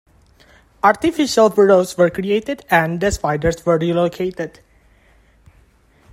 Artificial burrows were created and the spiders were relocated.